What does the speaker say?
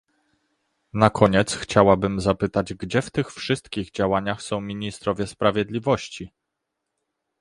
Na koniec chciałabym zapytać, gdzie w tych wszystkich działaniach są ministrowie sprawiedliwości